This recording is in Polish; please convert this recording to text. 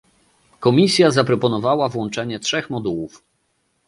Komisja zaproponowała włączenie trzech modułów